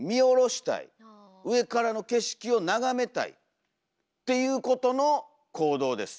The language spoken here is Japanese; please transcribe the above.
上からの景色を眺めたいっていうことの行動です。